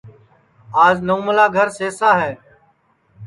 آج نوملا گھرا سئسا ہے